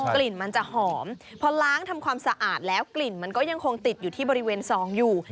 กลิ่นมันจะหอมพอล้างทำความสะอาดแล้วกลิ่นมันก็ยังคงติดอยู่ที่บริเวณซองอยู่